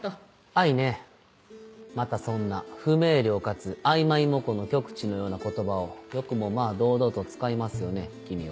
愛ねぇまたそんな不明瞭かつ曖昧模糊の極致のような言葉をよくもまぁ堂々と使いますよね君は。